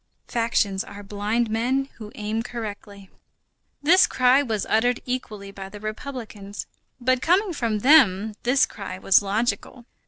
Factions are blind men who aim correctly. This cry was uttered equally by the republicans. But coming from them, this cry was logical.